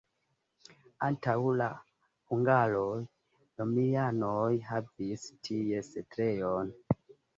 Antaŭ la hungaroj romianoj havis tie setlejon.